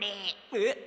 えっ？